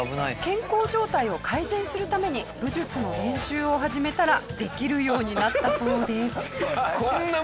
健康状態を改善するために武術の練習を始めたらできるようになったそうです。